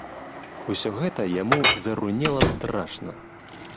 Усё гэта яму зарунела страшна.